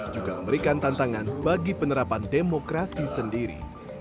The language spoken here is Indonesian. juga memberikan tantangan bagi penerapan demokrasi sendiri